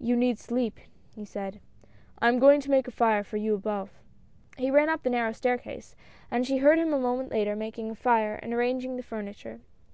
"You need sleep," he said, "I am going to make a fire for you above." He ran up the narrow staircase, and she heard him a moment later making a fire and arranging the furni ture.